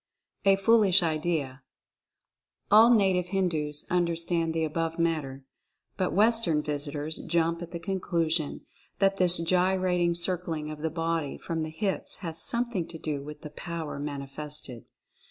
A FOOLISH IDEA. All native Hindus understand the above matter, but Western visitors jump at the conclusion that this gyrating circling of the body from the hips has some thing to do with the "power" manifested.